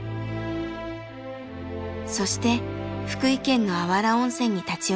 そして福井県の芦原温泉に立ち寄りました。